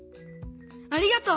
ありがとう！